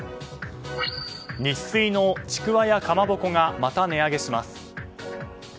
ニッスイのちくわやかまぼこがまた値上げします。